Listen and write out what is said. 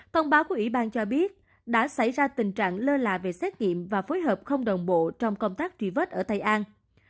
thông báo của ủy ban cho biết đã xảy ra tình trạng lơ là về xét nghiệm và phối hợp không đồng bộ trong công tác truy vết ở tây an